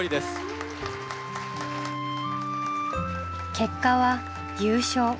結果は優勝。